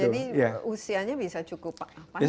jadi usianya bisa cukup panjang